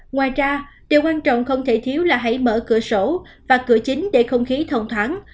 ngoài ra điều quan trọng không thể thiếu là hãy mở cửa sổ và cửa chính để không khí thông thoáng